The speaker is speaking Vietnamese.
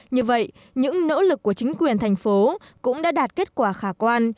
như vậy những nỗ lực của chính quyền thành phố cũng đã đạt kết quả khả quan